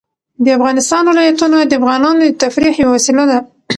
د افغانستان ولايتونه د افغانانو د تفریح یوه وسیله ده.